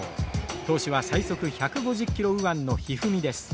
投手は最速１５０キロ右腕の一二三です。